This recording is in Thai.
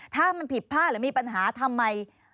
ถ้ามันผิดพลาดหรือมีปัญหาทำไม